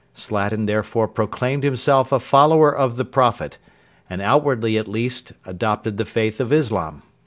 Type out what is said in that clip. Slatin therefore proclaimed himself a follower of the Prophet, and outwardly at least adopted the faith of Islam.